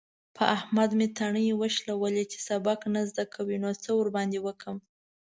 په احمد مې تڼۍ وشلولې. چې سبق نه زده کوي؛ نو څه ورباندې وکړم؟!